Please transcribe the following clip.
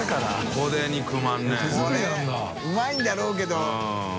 これうまいんだろうけど。